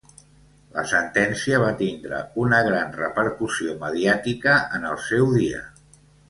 La sentència va tindre una gran repercussió mediàtica en el seu dia.